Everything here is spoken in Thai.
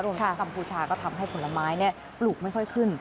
ทั้งกัมพูชาก็ทำให้ผลไม้ปลูกไม่ค่อยขึ้น